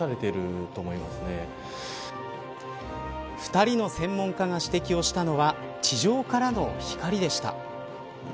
２人の専門家が指摘をしたのは地上からの光でした。